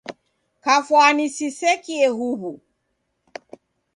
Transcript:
Kafwani sisekie huw'u.